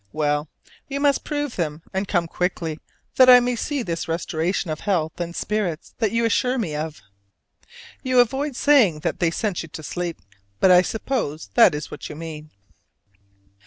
Well, you must prove them and come quickly that I may see this restoration of health and spirits that you assure me of. You avoid saying that they sent you to sleep; but I suppose that is what you mean.